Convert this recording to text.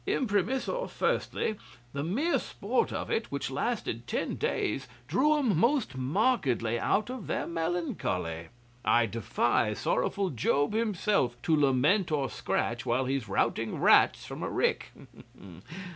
Imprimis, or firstly, the mere sport of it, which lasted ten days, drew 'em most markedly out of their melancholy. I'd defy sorrowful job himself to lament or scratch while he's routing rats from a rick.